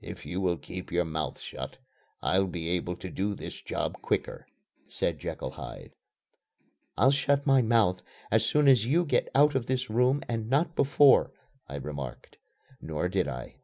"If you will keep your mouth shut, I'll be able to do this job quicker," said Jekyll Hyde. "I'll shut my mouth as soon as you get out of this room and not before," I remarked. Nor did I.